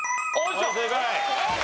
正解。